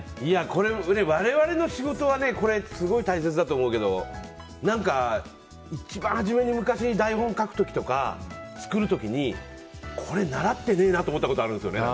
これは我々の仕事はすごい大切だと思うけど一番初めに昔、台本書く時とかにこれ、習ってねえなって思ったことあるんですよね。